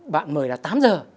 bạn mời là tám giờ